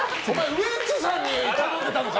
ウエンツさんに頼んでたのか！